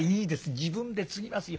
自分でつぎますよ。